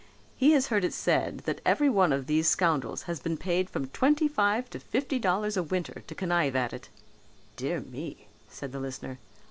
He has heard it said that everyone of these scoundrels has been paid from twenty five to fifty dollars a winter to connive at it." "Dear me," said the listener.